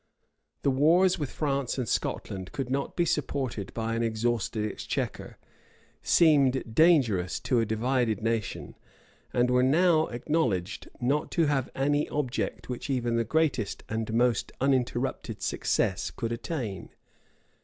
The wars with France and Scotland could not be supported by an exhausted exchequer; seemed dangerous to a divided nation; and were now acknowledged not to have any object which even the greatest and most uninterrupted success could attain.